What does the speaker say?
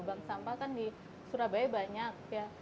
bank sampah kan di surabaya banyak ya